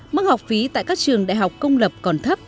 mức học phí tại các trường đại học công lập còn thấp